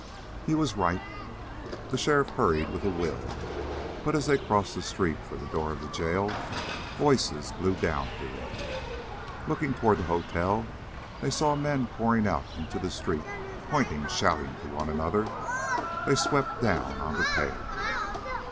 He was right. The sheriff hurried with a will, but, as they crossed the street for the door of the jail, voices blew down to them. Looking toward the hotel, they saw men pouring out into the street, pointing, shouting to one another. Then they swept down on the pair.